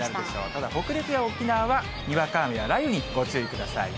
ただ北陸や沖縄は、にわか雨や雷雨にご注意ください。